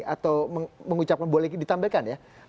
atau boleh ditampilkan ya